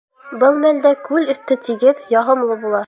Был мәлдә күл өҫтө тигеҙ, яғымлы була.